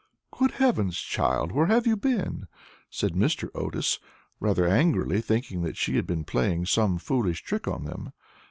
"Good heavens! child, where have you been?" said Mr. Otis, rather angrily, thinking that she had been playing some foolish trick on them.